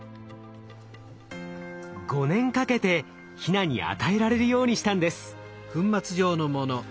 ５年かけてヒナに与えられるようにしたんです。